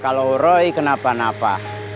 kalau roy kenapa napa